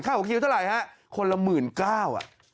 ค่าหัวคิวเท่าไรคนละ๑๙๐๐๐อ่ะ